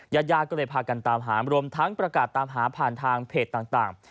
ญาติญาติก็เลยพากันตามหารวมทั้งประกาศตามหาผ่านทางเพจต่าง